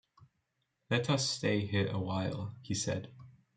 “Let us stay here awhile,” he said.